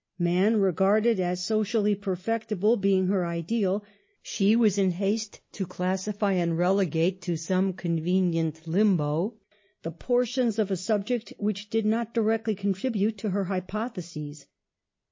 Man, re garded as socially perfectible, being her ideal, she was in haste to classify and relegate to some ' convenient limbo the portions of a subject which/ \ did not directly contribute to her hypotheses.!